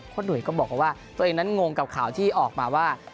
หนุ่ยก็บอกว่าตัวเองนั้นงงกับข่าวที่ออกมาว่า